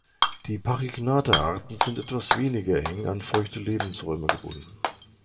Die "Pachygnatha"-Arten sind etwas weniger eng an feuchte Lebensräume gebunden.